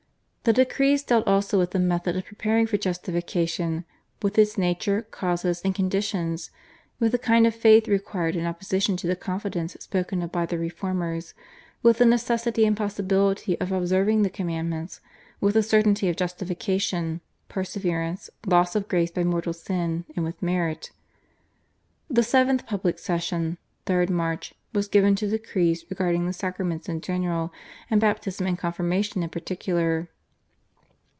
The decrees dealt also with the method of preparing for Justification, with its nature, causes, and conditions, with the kind of faith required in opposition to the confidence spoken of by the Reformers, with the necessity and possibility of observing the commandments, with the certainty of Justification, perseverance, loss of Grace by mortal sin, and with merit. The 7th public session (3rd March) was given to decrees regarding the Sacraments in general and Baptism and Confirmation in particular.